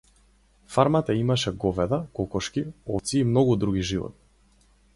Фармата имаше говеда, кокошки, овци и многу други животни.